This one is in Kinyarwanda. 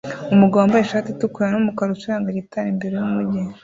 Umugabo wambaye ishati itukura numukara acuranga gitari imbere yumujyi